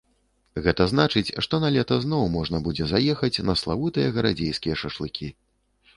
Гэта значыць, што налета зноў можна будзе заехаць на славутыя гарадзейскія шашлыкі.